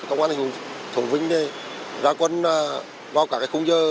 công an thường thủ vĩnh ra quân vào cả cái khung giờ